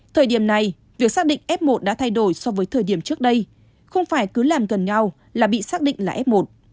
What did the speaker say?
thời điểm này việc xác định f một đã thay đổi so với thời điểm trước đây không phải cứ làm gần nhau là bị xác định là f một